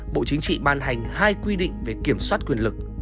bộ chính trị ban hành hai quy định về kiểm soát quyền lực